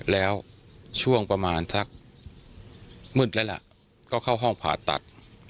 แล้วช่วงประมาณสักมืดแล้วล่ะก็เข้าห้องผ่าตัด